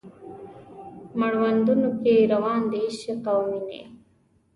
مړوندونو کې روان د عشق او میینې